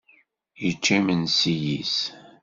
Yečča imensi-is.